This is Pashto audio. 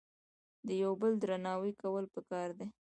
د یو بل درناوی کول په کار دي